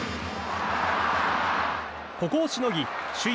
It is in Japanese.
ここをしのぎ首位